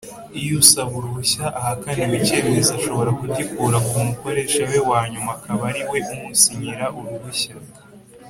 Iyo usaba uruhushya ahakaniwe icyemezo ashobora kugikura ku mukoresha we wa nyuma akaba ariwe umusinyira uruhushya.